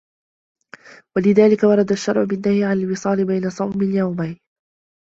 وَلِذَلِكَ وَرَدَ الشَّرْعُ بِالنَّهْيِ عَنْ الْوِصَالِ بَيْنَ صَوْمِ الْيَوْمَيْنِ